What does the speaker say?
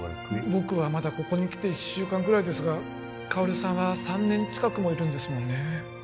僕はまだここにきて１週間ぐらいですが薫さんは３年近くもいるんですもんね